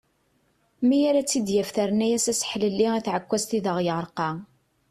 Mi ara tt-id-yaf terna-yas aseḥlelli i tεekkazt i d aɣ-yerqa.